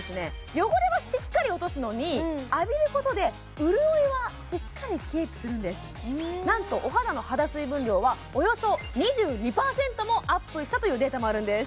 汚れはしっかり落とすのに浴びることで潤いはしっかりキープするんです何とお肌の肌水分量はおよそ２２％もアップしたというデータもあるんです